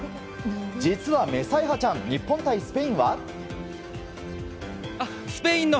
実はメサイハちゃん日本対スペインは。